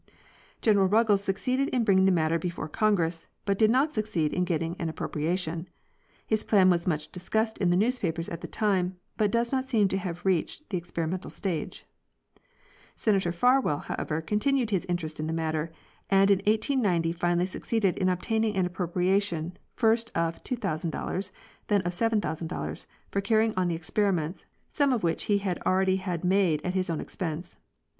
General Ruggles succeeded in bringing the matter before Con egress, but did not succeed in getting an appropriation. His' plan was much discussed in the newspapers at the time, but . e does not seem to have reached the experimental stage. Senator Farwell, however, continued his interest in the matter, and in 1890 finally succeeded in obtaining an appropriation, first of $2,000, then of $7,000, for carrying on the experiments, some of which he had already had made at his own expense.